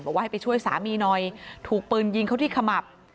บอกว่าให้ไปช่วยสามีหน่อยถูกปืนยิงเขาที่ขมับ